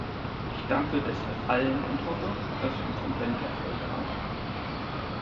Ich danke deshalb allen und hoffe, dass wir im Konvent Erfolg haben!